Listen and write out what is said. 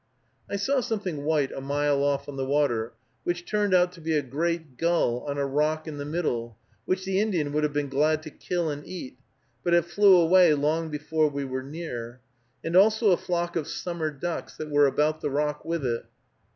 I saw something white a mile off on the water, which turned out to be a great gull on a rock in the middle, which the Indian would have been glad to kill and eat, but it flew away long before we were near; and also a flock of summer ducks that were about the rock with it.